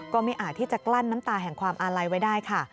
ไม่อาจที่จะกลั้นน้ำตาแห่งความอาลัยไว้ได้ค่ะ